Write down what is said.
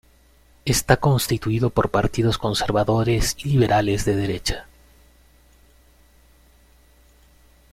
Está constituido por partidos conservadores y liberales de derecha.